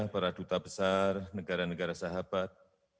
para duta besar negara negara sahabat